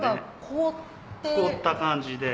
凍った感じで。